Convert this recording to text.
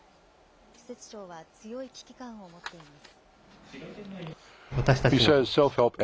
施設長は強い危機感を持っています。